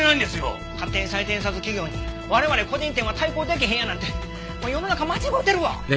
勝手に採点さす企業に我々個人店は対抗出来へんやなんて世の中間違うてるわ。